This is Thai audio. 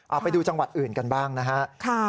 เอาไปดูจังหวัดอื่นกันบ้างนะฮะ